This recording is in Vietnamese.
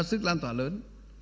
sức lan tỏa lớn